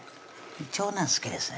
長男好きですね